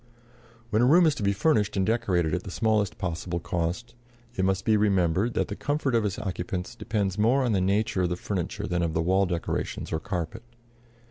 When a room is to be furnished and decorated at the smallest possible cost, it must be remembered that the comfort of its occupants depends more on the nature of the furniture than of the wall decorations or carpet.